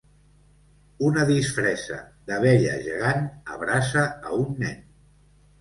Una disfressa d'abella gegant abraça a un nen.